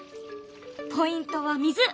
ポイントは水。